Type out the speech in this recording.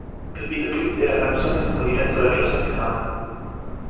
Il videoclip della canzone è stato diretto da Joseph Kahn.